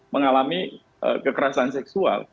mengalami kekerasan seksual